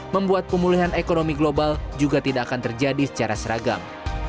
membuat pemulihan ekonomi global juga tidak akan terjadi secara seragam